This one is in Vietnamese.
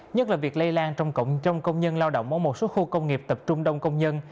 nhất là việc lây lan trong cộng đồng công nhân lao động ở một số khu công nghiệp tập trung đông công nhân